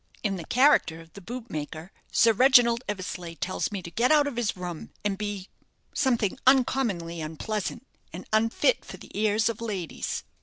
In the character of the bootmaker, Sir Reginald Eversleigh tells me to get out of his room, and be something uncommonly unpleasant, and unfit for the ears of ladies.